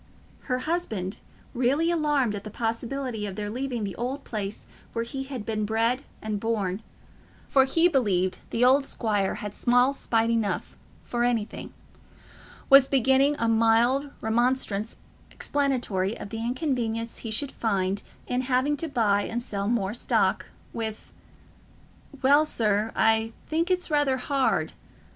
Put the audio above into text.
Her husband, really alarmed at the possibility of their leaving the old place where he had been bred and born—for he believed the old squire had small spite enough for anything—was beginning a mild remonstrance explanatory of the inconvenience he should find in having to buy and sell more stock, with, "Well, sir, I think as it's rether hard..."